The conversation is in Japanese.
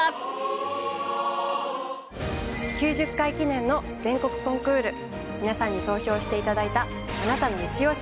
９０回記念の全国コンクール皆さんに投票して頂いた「あなたのイチオシ！